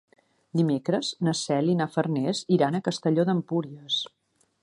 Dimecres na Cel i na Farners iran a Castelló d'Empúries.